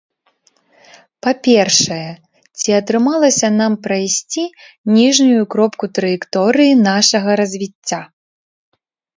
Па-першае, ці атрымалася нам прайсці ніжнюю кропку траекторыі нашага развіцця?